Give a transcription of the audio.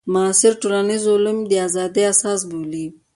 معاصر ټولنیز علوم یې د ازادۍ اساس بولي.